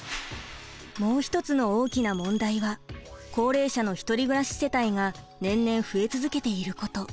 もう一つの大きな問題は高齢者の一人暮らし世帯が年々増え続けていること。